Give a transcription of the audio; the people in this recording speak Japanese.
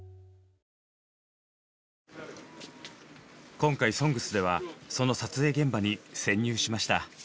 今回「ＳＯＮＧＳ」ではその撮影現場に潜入しました。